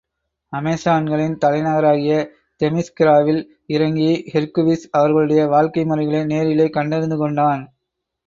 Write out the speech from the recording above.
அமெசான்களின் தலைநகராகிய தெமிஸ்கிராவில் இறங்கி, ஹெர்க்குவிஸ் அவர்களுடைய வாழ்க்கை முறைகளை நேரிலே கண்டறிந்துகொண்டான்.